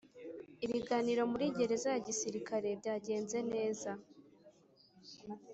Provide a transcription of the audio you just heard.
Ibiganiro muri Gereza ya Gisirikare byagenze neza